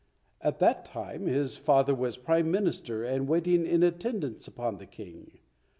At that time his father was Prime Minister and waiting in attendance upon the King.